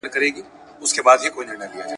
یو الله ج خبر وو ..